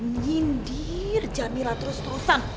nyindir jamila terus terusan